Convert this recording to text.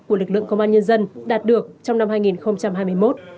của lực lượng công an nhân dân đạt được trong năm hai nghìn hai mươi một